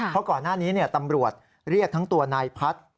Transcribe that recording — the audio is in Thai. เพราะก่อนหน้านี้ตำรวจเรียกทั้งตัวนายพัฒน์